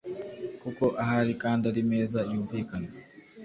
kuko ahari kandi ari meza yumvikana.